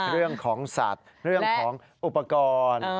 เรื่องของสัตว์เรื่องของอุปกรณ์